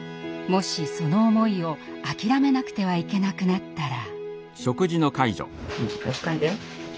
もしその思いを諦めなくてはいけなくなったら。